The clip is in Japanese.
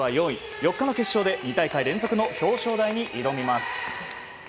４日の決勝で２大会連続の表彰台を目指します。